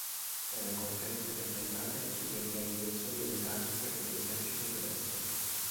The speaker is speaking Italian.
Tenne conferenze dettagliate sulle organizzazioni e le tattiche dell'esercito tedesco.